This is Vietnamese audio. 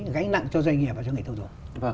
gánh nặng cho doanh nghiệp và cho người tiêu dùng